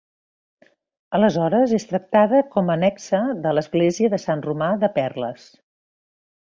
Aleshores és tractada com a annexa de l'església de Sant Romà de Perles.